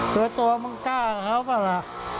ตัวมันกล้าเขาแล้วไหมล่ะ